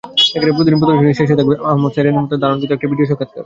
প্রতিটি প্রদর্শনীর শেষে থাকবে কামার আহমাদ সাইমনের আগে ধারণকৃত ভিডিও সাক্ষাৎকার।